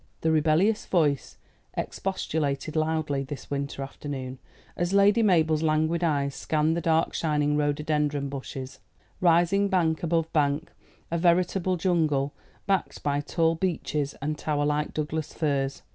The rebellious voice expostulated loudly this winter afternoon, as Lady Mabel's languid eyes scanned the dark shining rhododendron bushes, rising bank above bank, a veritable jungle, backed by tall beeches and towerlike Douglas firs.